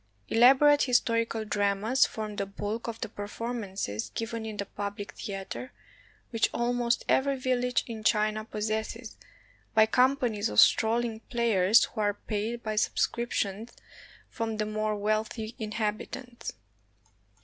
Elaborate historical dramas form the bulk of the performances given in the public theater, which almost every village in China possesses, by companies of strolling players who are paid by sub scriptions from the more wealthy inhabitants.